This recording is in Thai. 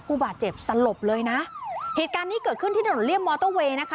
ผู้บาดเจ็บสลบเลยนะเหตุการณ์นี้เกิดขึ้นที่ถนนเลี่ยมมอเตอร์เวย์นะคะ